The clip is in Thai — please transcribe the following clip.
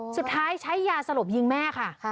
สุดท้ายใช้ยาสลบยิงแม่ค่ะ